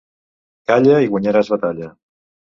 Calla i guanyaràs batalla.